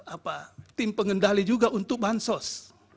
apa tim pengendali juga untuk bansos